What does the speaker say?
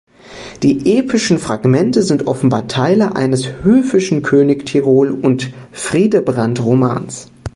Die epischen Fragmente sind offenbar Teile eines höfischen König-Tirol und Fridebrant-Romans.